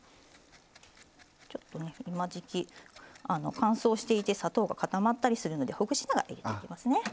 ちょっとね今時季乾燥していて砂糖が固まったりするのでほぐしながら入れていきますね。